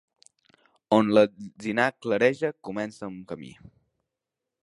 On l'alzinar clareja comença el camí.